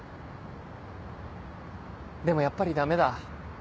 でもやっぱりダメだ。